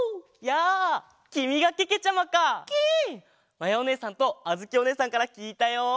まやおねえさんとあづきおねえさんからきいたよ！